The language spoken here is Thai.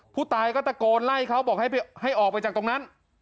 ผู้ตายก็ตะโกนไล่เขาบอกให้ออกไปจากตรงนั้น